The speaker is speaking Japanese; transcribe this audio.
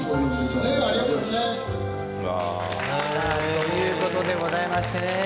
という事でございましてね。